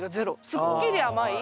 すっきり甘い。